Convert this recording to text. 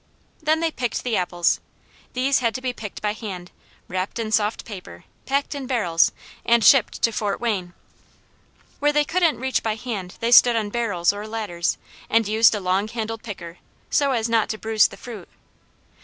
Then they picked the apples. These had to be picked by hand, wrapped in soft paper, packed in barrels, and shipped to Fort Wayne. Where they couldn't reach by hand, they stood on barrels or ladders, and used a long handled picker, so as not to bruise the fruit.